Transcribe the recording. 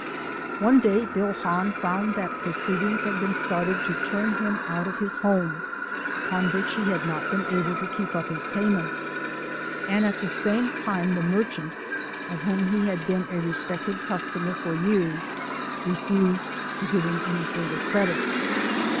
One day Bill Hahn found that proceedings had been started to turn him out of his home, upon which he had not been able to keep up his payments, and at the same time the merchant, of whom he had been a respected customer for years, refused to give him any further credit.